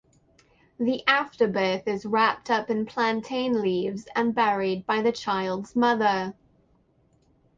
The afterbirth is wrapped up in plantain leaves and buried by the child's mother.